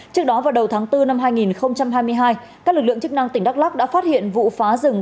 trước đó vào đầu tháng bốn năm hai nghìn hai mươi hai các lực lượng chức năng tỉnh đắk lắk đã phát hiện vụ phá rừng